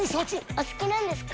お好きなんですか？